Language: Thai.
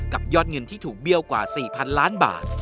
ยอดเงินที่ถูกเบี้ยวกว่า๔๐๐๐ล้านบาท